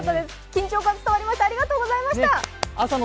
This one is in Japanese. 緊張が伝わりました。